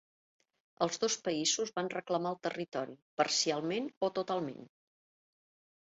Els dos països van reclamar el territori, parcialment o totalment.